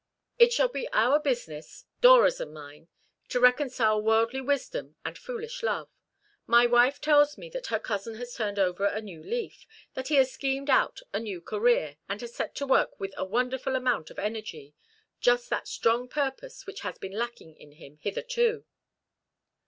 "It shall be our business Dora's and mine to reconcile worldly wisdom and foolish love. My wife tells me that her cousin has turned over a new leaf that he has schemed out a new career, and has set to work with a wonderful amount of energy just that strong purpose which has been lacking in him hitherto."